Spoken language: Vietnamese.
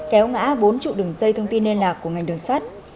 kéo ngã bốn trụ đường dây thông tin liên lạc của ngành đường sắt